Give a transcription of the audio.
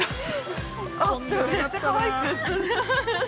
かわいく。